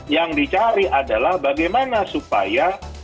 yang dicari adalah bagaimana supaya